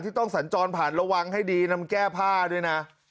ต้องสัญจรผ่านระวังให้ดีนำแก้ผ้าด้วยนะ